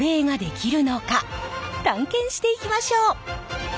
探検していきましょう！